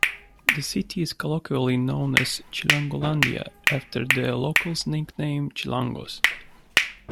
The city is colloquially known as "Chilangolandia" after the locals' nickname "chilangos".